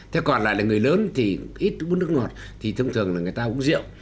thế còn lại là người lớn thì ít bút nước ngọt thì thông thường là người ta uống rượu